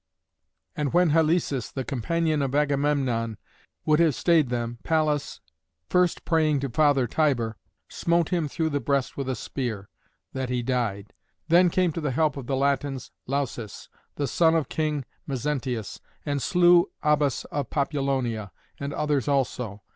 And when Halæsus, the companion of Agamemnon, would have stayed them, Pallas, first praying to Father Tiber, smote him through the breast with a spear, that he died. Then came to the help of the Latins Lausus, the son of King Mezentius, and slew Abas of Populonia, and others also.